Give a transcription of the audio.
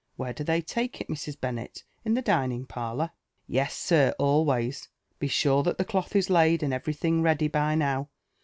"Where do they lake it, Mr^. Bonnet?— 'in the dining fariour?" *' Yes sir, always. Be sure that the cloth is laid, and every thing ready by now.